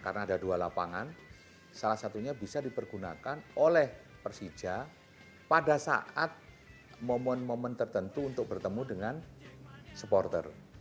karena ada dua lapangan salah satunya bisa dipergunakan oleh persija pada saat momen momen tertentu untuk bertemu dengan supporter